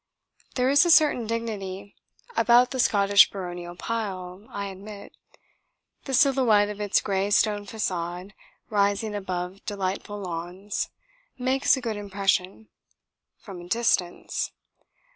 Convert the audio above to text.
There is a certain dignity about the Scottish baronial pile, I admit. The silhouette of its grey stone façade, rising above delightful lawns, makes a good impression from a distance.